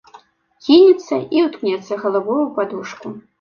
Кінецца і ўткнецца галавою ў падушку.